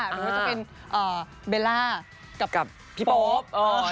มันก็จะเป็นเบลล่ากับพี่โป๊บ